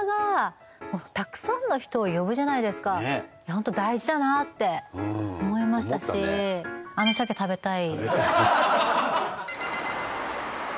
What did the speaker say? ホント大事だなって思いましたしあの鮭食べたい。